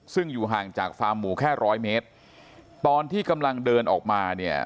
ซึ่งอยู่ห่างจากฟาร์มหมูแค่ร้อยเมตรตอนที่กำลังเดินออกมาเนี่ย